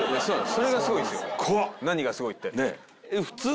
何がすごいって。